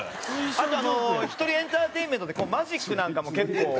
あと１人エンターテインメントでマジックなんかも結構。